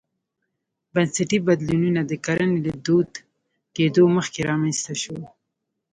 بنسټي بدلونونه د کرنې له دود کېدو مخکې رامنځته شول.